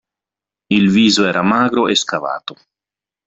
Il viso era magro e scavato.